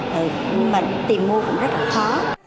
tìm mua cũng rất là khó